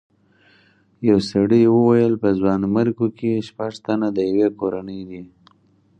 یو سړي وویل په ځوانیمرګو کې شپږ تنه د یوې کورنۍ دي.